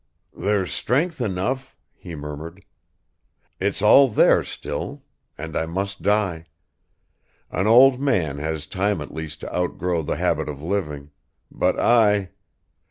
"There's strength enough," he murmured. "It's all there still, and I must die ... An old man has time at least to outgrow the habit of living, but I